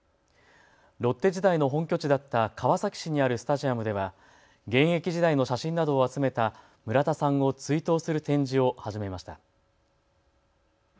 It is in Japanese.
ロッテ時代の本拠地だった川崎市にあるスタジアムでは現役時代の写真などを集めた村田さんを追悼する展示を始めました。